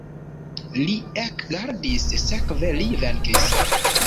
Li ekrigardis, sekve li venkis.